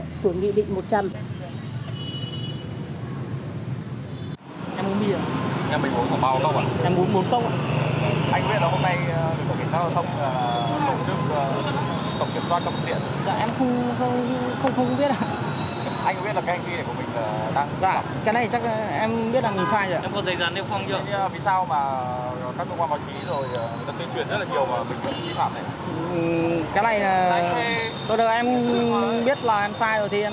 cái này em biết là em sai rồi thì em xin nhận lỗi trước pháp luật rồi ạ